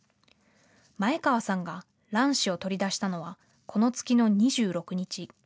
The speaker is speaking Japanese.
前川さんが卵子を取り出したのはこの月の２６日。